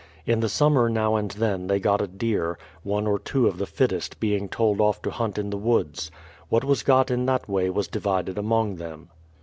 In the summer now and then they got a deer, one or two of the fittest being told off to hunt in the woods. What was got in that way was divided among them.